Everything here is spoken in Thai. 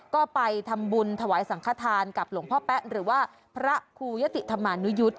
ก็ไปทำบุญถวายสังขทานกับหลวงพ่อแป๊ะหรือว่าพระครูยะติธรรมานุยุทธ์